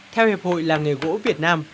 theo hiệp hội làng nghề gỗ việt nam